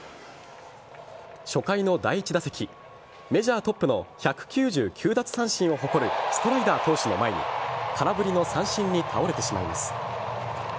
初回の第１打席メジャートップの１９９奪三振を誇るストライダー投手の前に空振りの三振に倒れてしまいます。